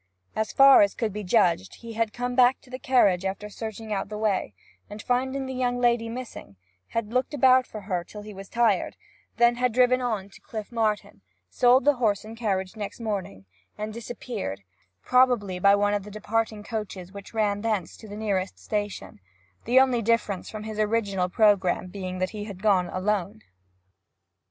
As far as could be judged, he had come back to the carriage after searching out the way, and finding the young lady missing, had looked about for her till he was tired; then had driven on to Cliff Martin, sold the horse and carriage next morning, and disappeared, probably by one of the departing coaches which ran thence to the nearest station, the only difference from his original programme being that he had gone alone.